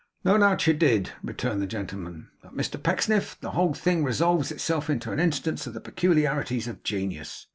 'No doubt you did,' returned the gentleman. 'But, Mr Pecksniff, the whole thing resolves itself into an instance of the peculiarities of genius.